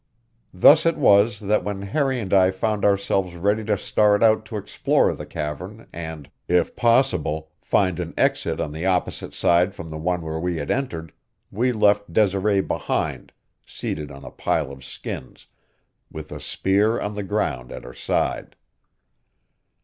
Thus it was that when Harry and I found ourselves ready to start out to explore the cavern and, if possible, find an exit on the opposite side from the one where we had entered, we left Desiree behind, seated on a pile of skins, with a spear on the ground at her side.